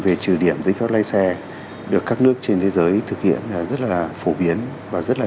về trừ điểm giấy phép lái xe được các nước trên thế giới thực hiện rất là phổ biến và rất là